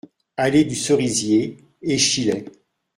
Allée du Cerisier, Échillais